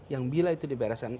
yang bila itu dibereskan